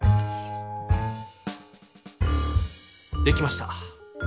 できました。